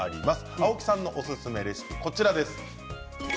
青木さんのおすすめレシピはこちらです。